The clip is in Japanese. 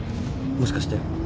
もしかして。